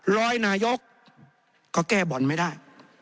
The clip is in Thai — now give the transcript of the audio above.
ร้อยนายกก็แก้บ่อนไม่ได้